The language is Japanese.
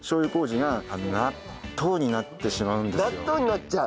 納豆になっちゃう。